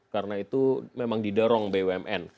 karena itu memang didorong bumn